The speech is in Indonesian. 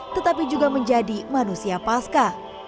tetapi juga menjadi manusia pasca